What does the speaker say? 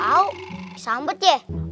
kamu udah mampus